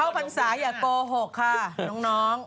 เข้าภาษาอย่าโกหกค่ะน้อง